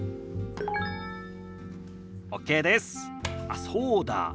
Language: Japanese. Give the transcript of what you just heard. あっそうだ。